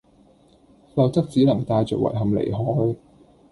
否則只能帶著遺憾離開